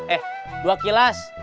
eh dua kilas